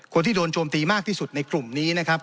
คนที่โดนโจมตีมากที่สุดในกลุ่มนี้นะครับ